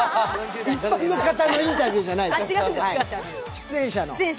一般の方のインタビューじゃないです、出演者の。